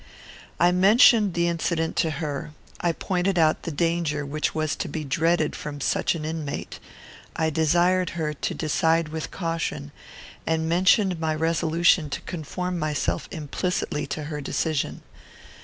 I mentioned the incident to her. I pointed out the danger which was to be dreaded from such an inmate. I desired her to decide with caution, and mentioned my resolution to conform myself implicitly to her decision.